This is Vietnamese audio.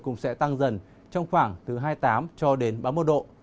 cũng sẽ tăng dần trong khoảng từ hai mươi tám cho đến ba mươi một độ